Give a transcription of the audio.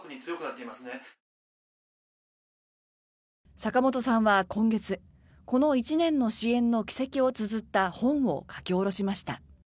坂本さんは今月この１年の支援の軌跡をつづった本を書き下ろしました。